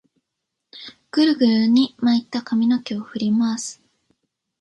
グルグルに巻いた髪の毛を振り乱す